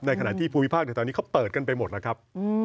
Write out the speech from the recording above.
ในขณะที่ภูมิภาคเท่านี้เค้าเปิดกันไปหมดนะครับ